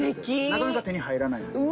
なかなか手に入らないんですよ。